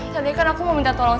tadi kan aku mau minta tolong